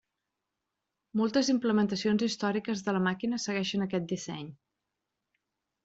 Moltes implementacions històriques de la màquina segueixen aquest disseny.